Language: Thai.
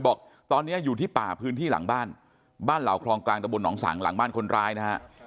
บอกตอนนี้อยู่ที่ป่าพื้นที่หลังบ้านบ้านเหล่าคลองกลางตะบนหนองสังหลังบ้านคนร้ายนะฮะ